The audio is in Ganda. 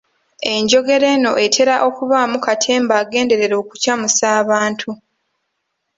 Enjogera eno etera okubaamu katemba agenderera okucamusa abantu.